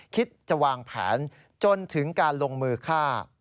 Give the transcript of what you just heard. คิดจะวางแผนจนถึงการลงมือฆ่า